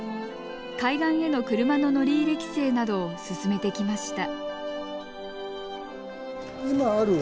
海岸への車の乗り入れ規制などを進めてきました。